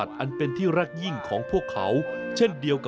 ติดตามได้จากรายงานพิเศษชิ้นนี้นะคะ